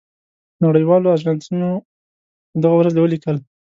نړۍ والو آژانسونو په دغه ورځ ولیکل.